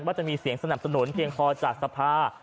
จะมีเสียงสนับสนุนเพียงพอจากสภา